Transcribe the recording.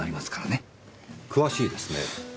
詳しいですね。